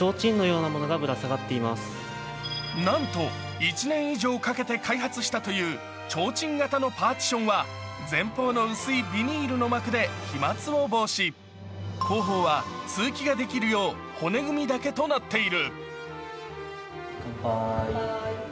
なんと１年以上かけて開発したというちょうちん形のパーティションは前方の薄いビニールの膜で飛まつを防止後方は通気ができるよう骨組みだけとなっている。